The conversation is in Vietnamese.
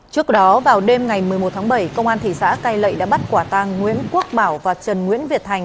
trước đó vào đêm ngày một mươi một tháng bảy công an thị xã cai lệ đã bắt quả tang nguyễn quốc bảo và trần nguyễn việt thành